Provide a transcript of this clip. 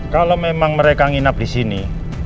kalau memang mereka nginap di sini